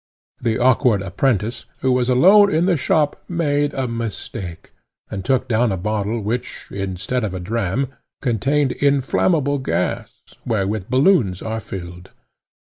The awkward apprentice, who was alone in the shop, made a mistake, and took down a bottle which, instead of a dram, contained inflammable gas, wherewith balloons are filled.